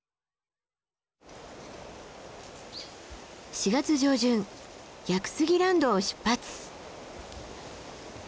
４月上旬ヤクスギランドを出発。